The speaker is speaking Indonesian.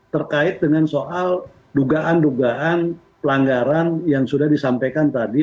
terkait dengan soal dugaan dugaan pelanggaran yang sudah disampaikan tadi